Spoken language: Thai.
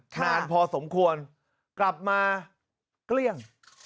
นานพอสมควรกลับมาเกลี้ยง